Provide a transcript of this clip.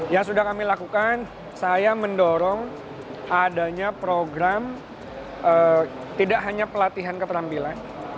yang sudah kami lakukan saya mendorong adanya program tidak hanya pelatihan keterampilan